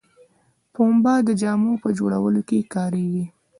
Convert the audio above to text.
پنبه د جامو په جوړولو کې کاریږي